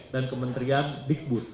dan kementerian digbud